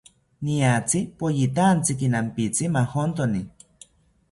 Niatzi poyitantziki nampitzi majontoni